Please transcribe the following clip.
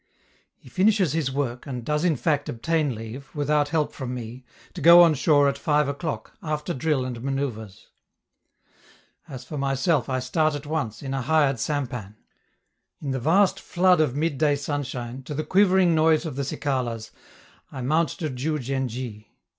He finishes his work, and does in fact obtain leave, without help from me, to go on shore at five o'clock, after drill and manoeuvres. As for myself I start at once, in a hired sampan. In the vast flood of midday sunshine, to the quivering noise of the cicalas, I mount to Diou djen dji.